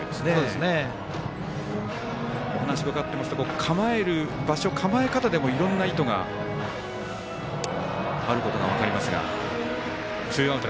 お話を伺ってますと構える場所、構え方でもいろんな意図があることが分かりますが。